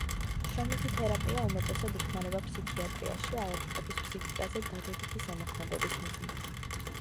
შრომითი თერაპია უმეტესად იხმარება ფსიქიატრიაში ავადმყოფის ფსიქიკაზე დადებითი ზემოქმედების მიზნით.